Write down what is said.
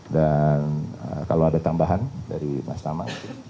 dan kalau ada tambahan dari mas nama